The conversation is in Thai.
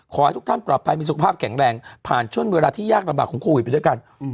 ขอให้ทุกท่านปลอดภัยมีสุขภาพแข็งแรงผ่านช่วงเวลาที่ยากลำบากของโควิดไปด้วยกัน